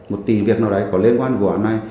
một tỷ việc nào đấy có liên quan vụ án này